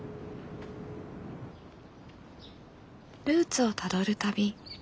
ルーツをたどる旅。